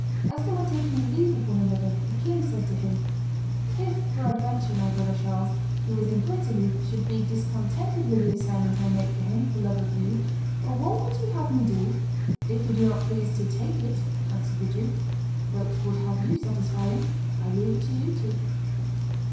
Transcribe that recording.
As they were taking leave of one another, the king said to him, "If, peradventure, my brother Charles, who is in Brittany, should be discontented with the assignment I make him for love of you, what would you have me do?" "If he do not please to take it," answered the duke, "but would have you satisfy him, I leave it to you two."